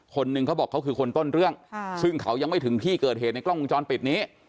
คนหนึ่งเขาบอกเขาคือคนต้นเรื่องซึ่งเขายังไม่ถึงที่เกิดเหตุในกล้องวงจรปิดนี้